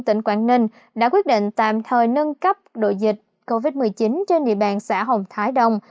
tỉnh quảng ninh đã quyết định tạm thời nâng cấp đội dịch covid một mươi chín trên địa bàn xã hồng thái đông